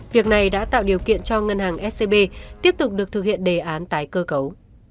việc này đã tạo điều kiện cho ngân hàng scb tiếp tục được thực hiện đề án tái cơ cấu